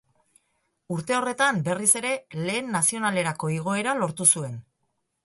Urte horretan berriz ere Lehen Nazionalerako igoera lortu zuen.